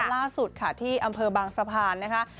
ล่าสุดค่ะที่อำเภอบางสะพานนะคะ